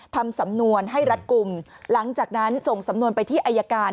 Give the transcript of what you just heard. ทำสำนวนให้รัดกลุ่มหลังจากนั้นส่งสำนวนไปที่อายการ